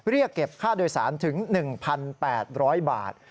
เรียกเก็บค่าโดยสารถึง๑๘๐๐บาท